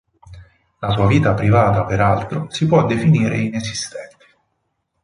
La sua vita privata, peraltro, si può definire inesistente.